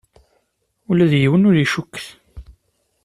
Ula d yiwen ur icukket.